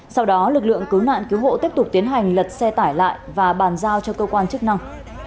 sau đó lực lượng cứu nạn cứu hộ tiếp tục tiến hành lật xe tải lại và bàn giao cho cơ quan chức năng